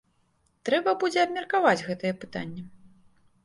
Трэба будзе абмеркаваць гэтае пытанне.